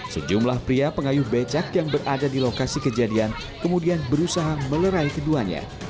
sejumlah pria pengayuh becak yang berada di lokasi kejadian kemudian berusaha melerai keduanya